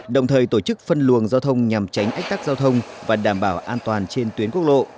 đồng thời tổ chức phân luồng giao thông nhằm tránh ách tắc giao thông và đảm bảo an toàn trên tuyến quốc lộ